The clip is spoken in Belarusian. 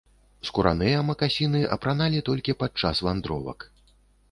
Скураныя макасіны апраналі толькі падчас вандровак.